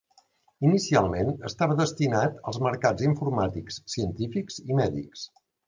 Inicialment, estava destinat als mercats informàtics científics i mèdics.